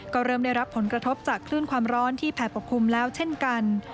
ก็เริ่มได้รับผลกระทบจากคลื่นความร้อนที่แผ่ปกคลุมแล้วเช่นกัน